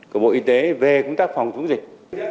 của bộ y tế về công tác phòng chống dịch